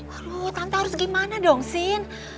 aduh tante harus gimana dong sin